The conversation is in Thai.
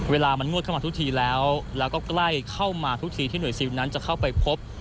เวลามันงวดเข้ามาทุกทีแล้วแล้วก็ใกล้เข้ามาทุกทีที่หน่วยซิลนั้นจะเข้าไปพบ